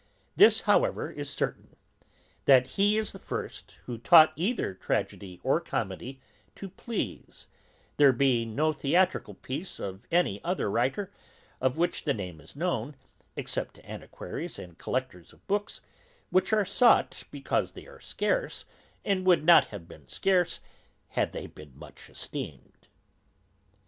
This however is certain, that he is the first who taught either tragedy or comedy to please, there being no theatrical piece of any older writer, of which the name is known, except to antiquaries and collectors of books, which are sought because they are scarce, and would not have been scarce, had they been much esteemed.